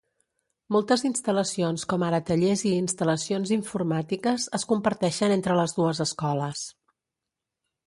Moltes instal·lacions, com ara tallers i instal·lacions informàtiques, es comparteixen entre les dues escoles.